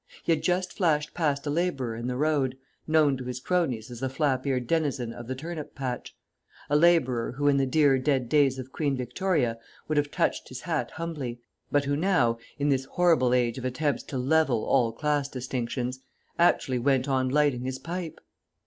He had just flashed past a labourer in the road known to his cronies as the Flap eared Denizen of the Turnip patch a labourer who in the dear dead days of Queen Victoria would have touched his hat humbly, but who now, in this horrible age of attempts to level all class distinctions, actually went on lighting his pipe!